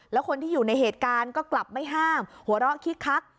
แล้วคนที่อยู่ในเหตุการณ์ก็กลับไม่ห้ามหัวเราะคิกคัก